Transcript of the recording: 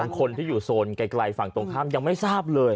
คนที่อยู่โซนไกลฝั่งตรงข้ามยังไม่ทราบเลย